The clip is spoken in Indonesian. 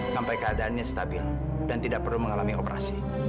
sampai keadaannya stabil dan tidak perlu mengalami operasi